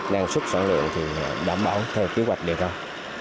năng suất sản lượng thì đảm bảo theo kế hoạch đề cao